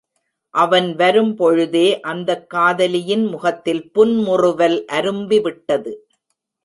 அவன் வரும் பொழுதே அந்தக் காதலியின் முகத்தில் புன்முறுவல் அரும்பிவிட்டது.